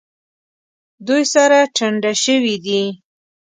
دوی سره ټنډه شوي دي.